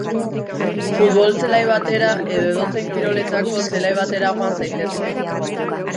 Futbol zelai batera edo edozein kiroletako zelai batera joan zaitezke.